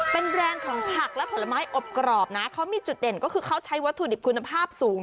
เป็นแบรนด์ของผักและผลไม้อบกรอบนะเขามีจุดเด่นก็คือเขาใช้วัตถุดิบคุณภาพสูง